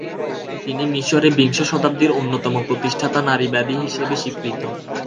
তিনি মিশরে বিংশ শতাব্দীর অন্যতম প্রতিষ্ঠাতা নারীবাদী হিসেবে স্বীকৃত।